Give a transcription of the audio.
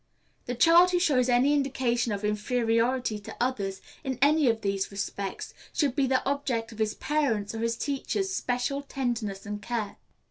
The child who shows any indications of inferiority to others in any of these respects should be the object of his parent's or his teacher's special tenderness and care.